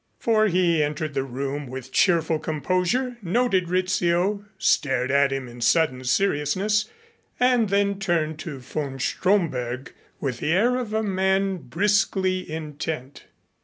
For he entered the room with cheerful composure, noted Rizzio, stared at him in sudden seriousness, and then turned to von Stromberg with the air of a man briskly intent.